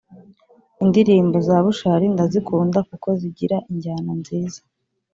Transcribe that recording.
Indirimbo zabushali ndazikunda kuko zigira injyana nziza